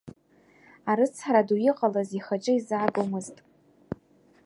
Арыцҳара ду иҟалаз ихаҿы изаагомызт.